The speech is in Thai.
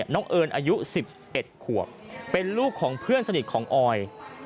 น้องเอิญอายุ๑๑ขวบเป็นลูกของเพื่อนสนิทของออย